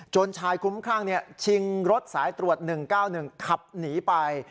ชายคุ้มครั่งชิงรถสายตรวจ๑๙๑ขับหนีไป